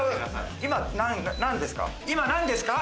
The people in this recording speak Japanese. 今、何ですか？